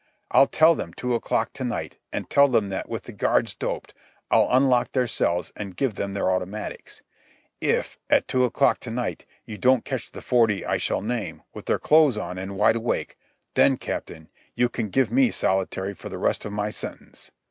I'll tell them two o'clock to night and tell them that, with the guards doped, I'll unlock their cells and give them their automatics. If, at two o'clock to night, you don't catch the forty I shall name with their clothes on and wide awake, then, Captain, you can give me solitary for the rest of my sentence.